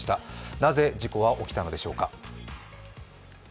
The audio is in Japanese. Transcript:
なぜ事故は起きたのでしょうか。